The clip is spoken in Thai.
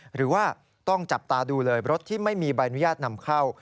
หรือว่าต้องจับตาดูเลยรถที่ไม่มีใบอนุญาตนำเข้า